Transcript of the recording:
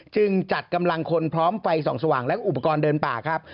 จึงจัดกำลังคนพร้อมไฟส่องสว่างและอุปกรณ์เดินป่าครับ